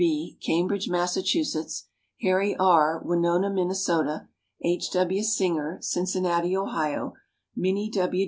B., Cambridge, Massachusetts; Harry R., Winona, Minnesota; H. W. Singer, Cincinnati, Ohio; Minnie W.